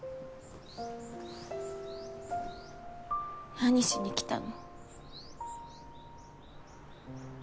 何しに来たの？